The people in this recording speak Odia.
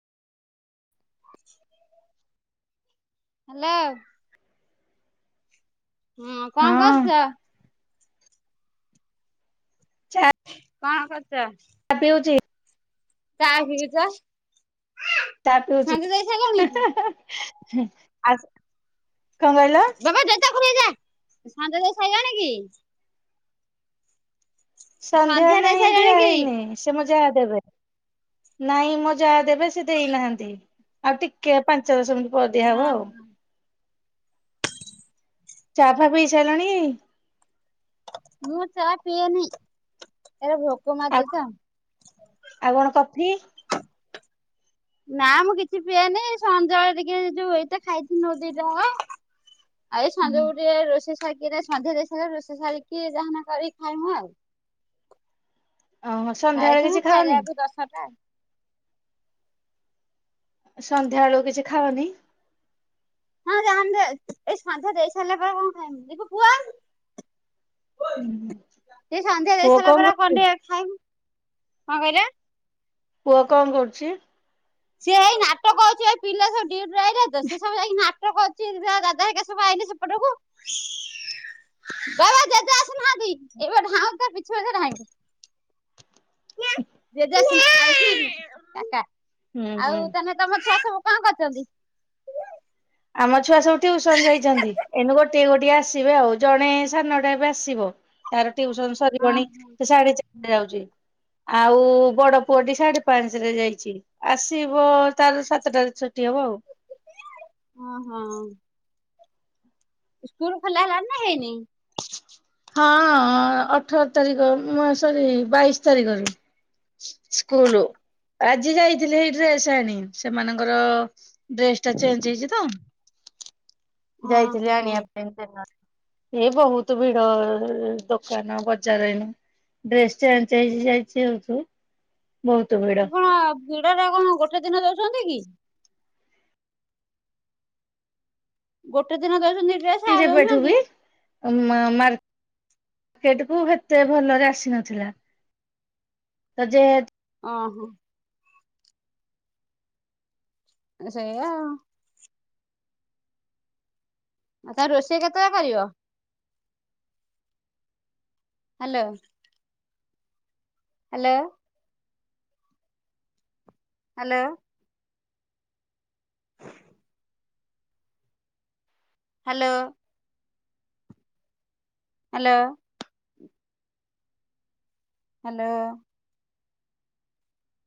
ହ୍ୟାଲୋ। ହଁ, କଣ କରୁଛ? ଚା କଣ କରୁଛ? ପିଉଛି ଚା ପିଉଚ? ତା ପିଉଛି, ସାରିଲାଣି ହିଁ କି ହିଁ ଆସ କଣ କହିଲ? ବାବା ଜୋତା ଖୋଲିକି ଯା, ସଞ୍ଜ ଦେଇସାଇଲନି କି? ସନ୍ଧ୍ୟା ଦେଇ ନାହିଁ ଦିଆ ସାରିଲାଣି କି ହେଇନି। ସେ ମୋ ଯା ଦେବେ ନାଇଁ ମୋ ଯା ଦେବେ ସେ ଦେଇନାହାନ୍ତି ଆଉ ଟି କେ ପାଞ୍ଚ ଦଶ ମିନିଟ୍ ପରେ ଦିଆହବ ହଁ ଆଉ। ଚା ଫା ପିଇ ସାଇଲଣି? ମୁଁ ଚା ପିଏନି, ଏ ଭୋକ ମାରି ଆଉ ଦିଏ ତ। ଆଉ କଣ କଫି? ନା ମୁଁ କିଛି ପିଏନି ଏଇ ସଞ୍ଜବେଳେ ଟିକେ ଯୋଉ ଏଇତ ଖାଇଥିଲି ନ ଦିଟା କଣ। ଆଉ ଏଇ ସଞ୍ଜ ବେଳୁ ଟିକେ ରୋଷେଇ ସାରିକି ସନ୍ଧ୍ୟା ଦେଇ ସାରି ରୋଷେଇ ସାରିକି ଯାହା ହେନେ କରିକି ଖାଇମୁ ଆଉ। ଓହୋ ସନ୍ଧ୍ୟାବେଳେ ଖାଇଥିଲୁ କିଛି ଖାଅନି? ଖାଇଲା ବେଳକୁ ଦଶଟା। ସନ୍ଧ୍ୟା ବେଳକୁ କିଛି ଖାଅନି? ହଁ ଯାହା ହେଲେ ଏଇ ସଂଧ୍ୟା ଦେଇ ସାରିଲା ପରେ କଣ ଖାଇମୁ ଦିପୁ ପୁଅ ହୁଁ, ହୁଁ। ଏ ସନ୍ଧ୍ୟା ଦେଇ ସାରିଲା ପରେ କଣ ଟିକେ ଖାଇମୁ। କଣ କହିଲ? ପୁଅ କଣ କରୁଛି? ସିଏ ଏଇ ନାଟକ ଅଛି ପିଲା ସବୁ ଡ୍ୟୁଟି ଆଇଲେ ତ ସେ ସବୁ ଯାଇକି ନା ଟକ ଅଛି ଦାଦା ହେରୀକା ସବୁ ଆଇଲେ ସେପଟକୁ ବାବା ଜେଜେ ଆସୁନାହାନ୍ତି ଏଇବା ଧାଉଁଛି ତା ପିଛେ ପିଛେ ଧାଇଁବି। ଜେଜେ [unintelligible] ଟାଟା ହୁଁ ହୁଁ ଆଉ ତାହେନେ ତମ ଛୁଆ ସବୁ କଣ କରୁଛନ୍ତି? ଆମ ଛୁଆ ସବୁ ଟିଉସନ ଯାଇଛନ୍ତି ଏନୁ ଗୋଟିଏ ଗୋଟିଏ ଆସିବେ ଆଉ ଜଣେ ସାଢ଼େ ନଅଟା ଏବେ ଆସିବ। ତାର ଟିଉସନ ସରିବନି ଓହୋ ସେ ସାଢ଼େ ଚାରିଟା ଆଉଛି। ଆଉ ବଡ ପୁଅଟି ସାଢ଼େ ପାଞ୍ଚରେ ଯାଇଛି। ଆସିବ ତାର ସାତଟାରେ ଛୁଟି ହବ ଆଉ। ହଁ, ହଁ। ସ୍କୁଲ ଖୋଲା ହେଲା ନା ହେଇନି? ହଁ ଅ ଅଠର ତାରିଖ ଉଁ ସରି ବାଇସି ତାରିଖରେ। ସ୍କୁଲ ଆଜି ଯାଇଥିଲି ହେଇ ଡ୍ରେସ୍ ଆଣି ସେମାନଙ୍କର ଡ୍ରେସ୍ ଟା ଚେଞ୍ଜ ହେଇଛି ତ। ଯାଇଥିଲି ଆଣିବା ଓହୋ ପାଇଁ ଦିନରେ ଏ ବହୁତ ଭିଡ଼ ଦୋକାନ ବଜାର ଏଣେ। ଡ୍ରେସ୍ ଚେଞ୍ଚ ହେଇ ଯାଇଛି ଯେହେତୁ ବହୁତ ଭିଡ଼। ଚୁଡ଼ାରା କଣ ଗୋଟେ ଦିନ ଦେଉଛନ୍ତି କି? ଗୋଟେ ଦିନ ଦେଉଛନ୍ତି ଡ୍ରେସ୍ ଯେବେଠୁ ବି ଉଁ ମାର୍କେଟକୁ ହେତେ ଭଲରେ ଆସିନଥିଲା। ତ ଯେହେ ଅଁ ହଁ। ସେଇୟା ‍। ଆଉ [inaudible] ରୋଷେଇ କେତେବେଳେ କରିବ? Hello. Hello. Hello. Hello. Hello. Hello.